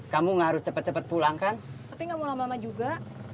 kamu harus cepet cepet pulangkan tapi nggak mau lama lama juga